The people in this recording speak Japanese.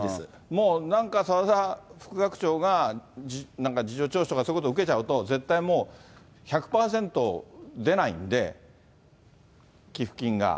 もうなんか澤田さん、副学長がなんか事情聴取とかそういうこと受けちゃうと、絶対もう１００％出ないんで、寄付金が。